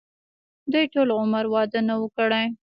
دوي ټول عمر وادۀ نۀ وو کړے